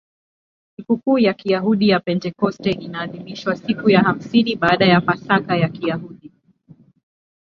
Sikukuu ya Kiyahudi ya Pentekoste inaadhimishwa siku ya hamsini baada ya Pasaka ya Kiyahudi.